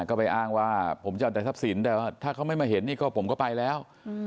ก็ไปอ้างว่าผมจะเอาแต่ทรัพย์สินแต่ว่าถ้าเขาไม่มาเห็นนี่ก็ผมก็ไปแล้ว